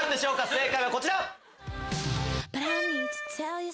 正解はこちら！